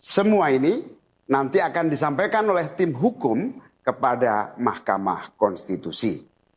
semua ini nanti akan disampaikan oleh tim hukum kepada mahkamah konstitusi